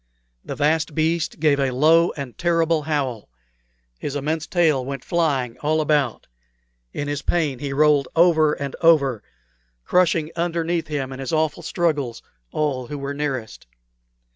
The vast beast gave a low and terrible howl; his immense tail went flying all about; in his pain he rolled over and over, crushing underneath him in his awful struggles all who were nearest.